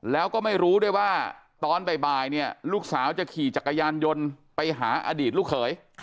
แล้วก็ไม่รู้ด้วยว่าตอนบ่ายเนี่ยลูกสาวจะขี่จักรยานยนต์ไปหาอดีตลูกเขย